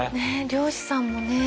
漁師さんもね。